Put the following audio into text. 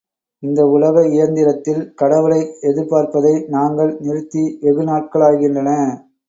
இந்த உலக இயந்திரத்தில் கடவுளை எதிர்பார்ப்பதை நாங்கள் நிறுத்தி வெகு நாட்களாகின்றன.